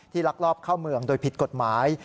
ลักลอบเข้าเมืองโดยผิดกฎหมาย